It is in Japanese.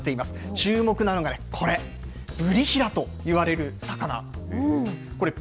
注目なのがね、これ、ブリヒラといわれる魚。